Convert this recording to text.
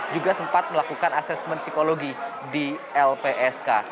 juga sempat melakukan asesmen psikologi di lpsk